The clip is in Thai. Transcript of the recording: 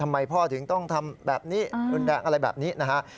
ทำไมพ่อถึงต้องทำแบบนี้อะไรแบบนี้นะครับ